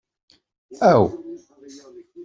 Aw!